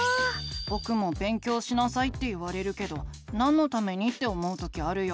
ぼくも「勉強しなさい」って言われるけどなんのためにって思う時あるよ。